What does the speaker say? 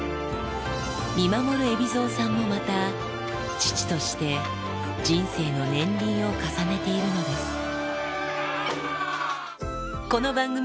見守る海老蔵さんもまた、父として人生の年輪を重ねているのです。